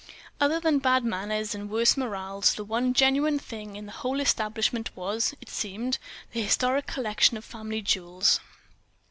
Other than bad manners and worse morals, the one genuine thing in the whole establishment was, it seemed, the historic collection of family jewels.